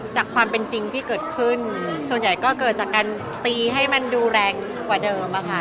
จากความเป็นจริงที่เกิดขึ้นส่วนใหญ่ก็เกิดจากการตีให้มันดูแรงกว่าเดิมอะค่ะ